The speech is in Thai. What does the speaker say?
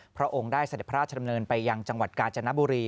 พระองค์ได้เสด็จพระราชดำเนินไปยังจังหวัดกาญจนบุรี